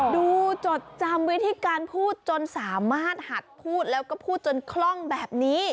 จดจำวิธีการพูดจนสามารถหัดพูดแล้วก็พูดจนคล่องแบบนี้